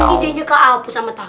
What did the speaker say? ide nya kak alpu sama tau